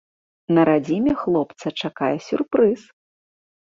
На радзіме хлопца чакае сюрпрыз.